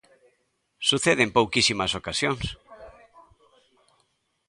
Sucede en pouquísimas ocasións.